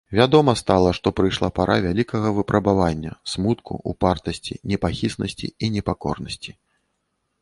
Вядома стала, што прыйшла пара вялікага выпрабавання, смутку, упартасці, непахіснасці і непакорнасці.